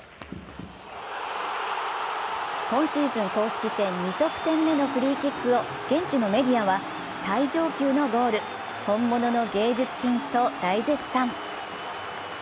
今シーズン公式戦２得点目のフリーキックを現地のメディアは、最上級のゴール本物の芸術品と大絶賛。